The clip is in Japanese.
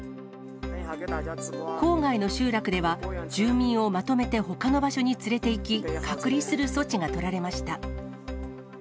郊外の集落では、住民をまとめてほかの場所に連れていき、隔離する措置が取られました。